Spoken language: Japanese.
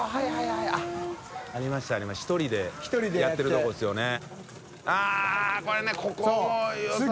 △蠅泙靴ありました１人でやってる所ですよね。